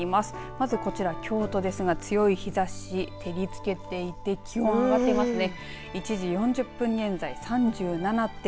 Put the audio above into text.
まずこちら京都ですが強い日ざし照りつけていて気温は上がっていますね。